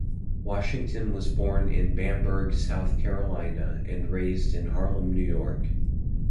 Washington was born in Bamberg, South Carolina, and raised in Harlem, New York.